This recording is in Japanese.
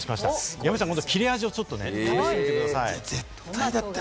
山ちゃん、切れ味をちょっと試してみてください。